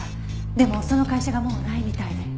でもその会社がもうないみたいで。